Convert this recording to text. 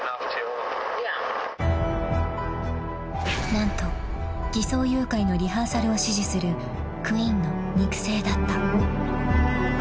［何と偽装誘拐のリハーサルを指示するクインの肉声だった］